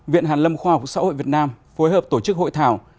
viện hàn lâm khoa học xã hội việt nam phối hợp tổ chức hội thảo